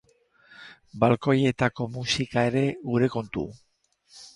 Balkoietako musika ere, gure kontu!